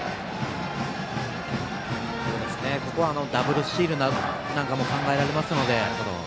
ここはダブルスチールも考えられますのでね。